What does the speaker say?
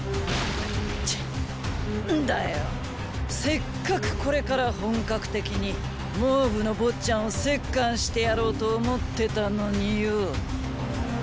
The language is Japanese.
せっかくこれから本格的に蒙武の坊ちゃんを折檻してやろうと思ってたのによォ！